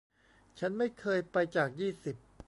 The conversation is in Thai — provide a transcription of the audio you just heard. ฉันไม่เคยไปจากยี่สิบ